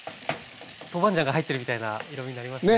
豆板醤が入ってるみたいな色みになりますね。